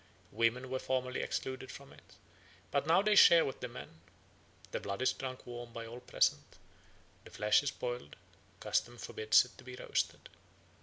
Women were formerly excluded from it, but now they share with the men. The blood is drunk warm by all present; the flesh is boiled, custom forbids it to be roasted.